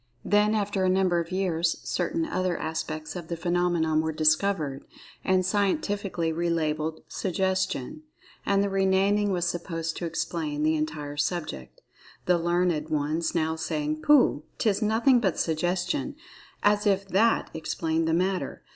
Then, after a number of years, certain other aspects of the phenomenon were discovered, and scientifically relabelled "Suggestion," and the re naming was supposed to "explain" the entire subject, the learned ones now saying, "Pooh, 'tis nothing but 'Suggestion,'" as if that explained the matter.